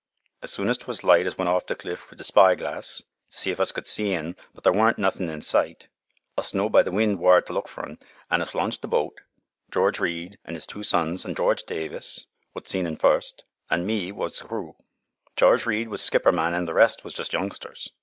"As soon as 'twas light us went to th' cliff wi' th' spy glass to see if us could see un, but thar warn't nothin' in sight. Us know by the wind whar t' look fur un, an' us launched th' boat. George Read an' 'is two sons, an' George Davis, what seen un first, an' me, was th' crew. George Read was skipper man an' th' rest was just youngsters.